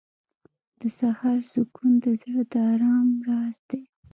• د سهار سکون د زړه د آرام راز دی.